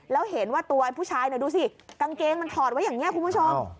แล้วเห็นว่าตัวผู้ชายดูสิกางเกงมันถอดไว้อย่างนี้คุณผู้ชม